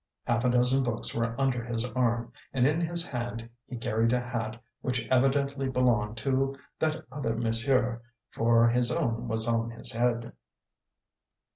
Half a dozen books were under his arm, and in his hand he carried a hat which evidently belonged to "that other monsieur," for his own was on his head.